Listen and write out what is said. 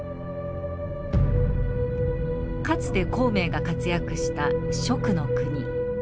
かつて孔明が活躍した蜀の国。